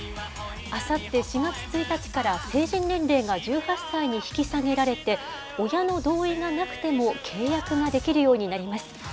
あさって４月１日から成人年齢が１８歳に引き下げられて、親の同意がなくても契約ができるようになります。